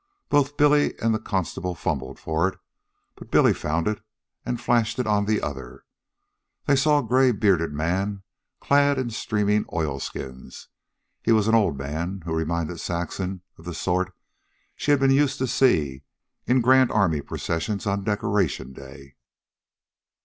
Both Billy and the constable fumbled for it, but Billy found it and flashed it on the other. They saw a gray bearded man clad in streaming oilskins. He was an old man, and reminded Saxon of the sort she had been used to see in Grand Army processions on Decoration Day.